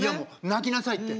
泣きなさいって。